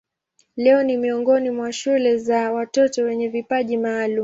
Leo ni miongoni mwa shule za watoto wenye vipaji maalumu.